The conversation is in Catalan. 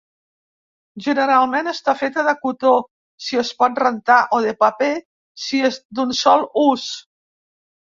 Generalment, està feta de cotó, si es pot rentar, o de paper, si és d'un sol ús.